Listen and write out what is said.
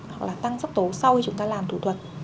hoặc là tăng sắc tố sau khi chúng ta làm thủ thuật